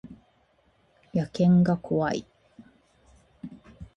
野犬が怖い